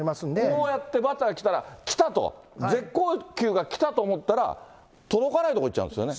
こうやってバッターがきたら、絶好球が来たと思ったら、届かない所に行っちゃうんですね。